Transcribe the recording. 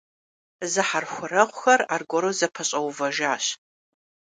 Зэхьэрхуэрэгъухэр аргуэру зэпэщӀэувэжащ.